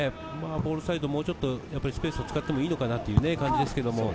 ボールサイド、もうちょっとスペースを使ってもいいのかなという感じです。